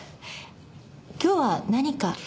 今日は何か？